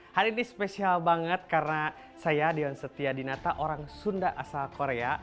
hari ini spesial banget karena saya dion setia dinata orang sunda asal korea